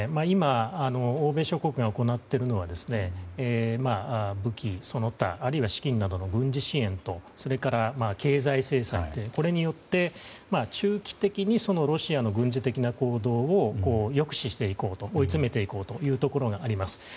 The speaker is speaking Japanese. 今、欧米諸国が行っているのは武器、その他あるいは資金などの軍事支援とそれから経済制裁これによって中期的にロシアの軍事的な行動を抑止していこう追い詰めていこうというところがあります。